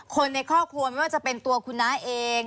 คนในครอบครัวไม่ว่าจะเป็นตัวคุณน้าเอง